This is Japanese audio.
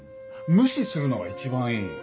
無視するのが一番いい。